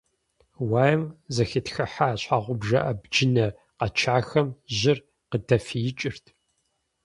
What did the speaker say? Уаем зэхитхыхьа щхьэгъубжэ абджынэ къэчахэм жьыр къыдэфиикӀырт.